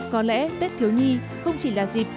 có lẽ tết thiếu nhi không chỉ là dịp